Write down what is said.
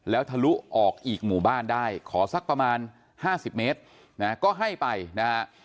แล้วทะลุออกอีกหมู่บ้านได้ขอสักประมาณ๕๐เมตรนะฮะก็ให้ไปนะฮะ